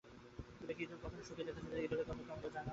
তুমি কি ইঁদুর কখনো শুঁকে দেখেছ যে, ইঁদুরের গন্ধ কেমন তা জোন?